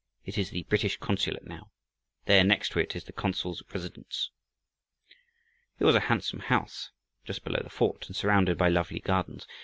It is the British consulate now. There, next to it, is the consul's residence." It was a handsome house, just below the fort, and surrounded by lovely gardens.